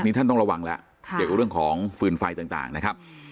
ท่านต้องระวังแล้วเกี่ยวกับเรื่องของฟืนไฟต่างนะครับ